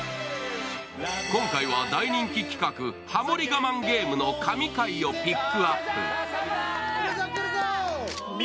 今回は大人気企画「ハモリ我慢ゲーム」の神回をピックアップ。